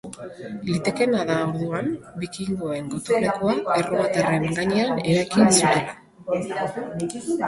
Litekeena da, orduan, bikingoen gotorlekua erromatarren gainean eraiki zutela.